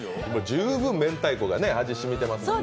十分めんたいこが味しみてますもんね。